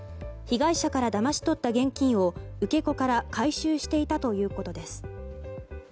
被害者からだまし取った現金を受け子から回収していたということです。